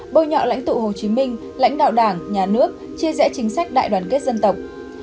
bôi nhọ lãnh tụ hồ chí minh lãnh đạo đảng nhà nước chia rẽ chính sách đại đoàn kết dân tộc